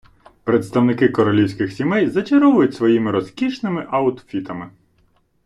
Представники королівських сімей зачаровують своїми розкішними аутфітами.